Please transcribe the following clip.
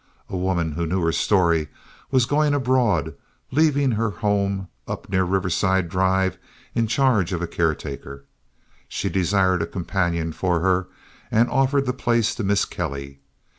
A woman who knew her story was going abroad, leaving her home up near Riverside Drive in charge of a caretaker. She desired a companion for her, and offered the place to Miss Kelly.